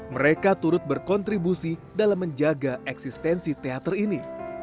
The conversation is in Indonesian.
mereka turut berkontribusi dalam menjaga eksistensi teater ini